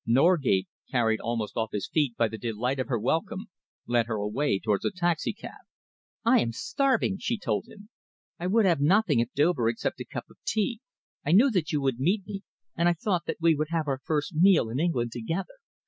Norgate, carried almost off his feet by the delight of her welcome, led her away towards a taxicab. "I am starving," she told him. "I would have nothing at Dover except a cup of tea. I knew that you would meet me, and I thought that we would have our first meal in England together.